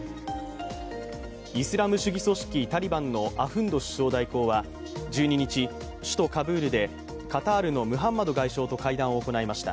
イスラム主義組織タリバンのアフンド首相代行は１２日首都カブールでカタールのムハンマド外相と会談を行いました。